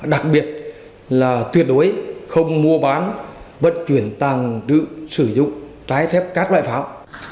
đặc biệt là tuyệt đối không mua bán vận chuyển tàng trữ sử dụng trái phép các loại pháo